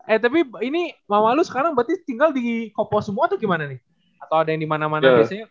eh tapi ini mamalu sekarang berarti tinggal di kopo semua tuh gimana nih atau ada yang dimana mana biasanya